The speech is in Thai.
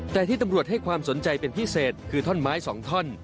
แต่ที่ตำรวจให้ความสนใจเป็นพิเศษคือท่อนไม้๒ท่อน